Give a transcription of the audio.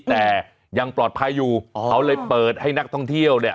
แต่ยังปลอดภัยอยู่เขาเลยเปิดให้นักท่องเที่ยวเนี่ย